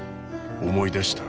思い出した？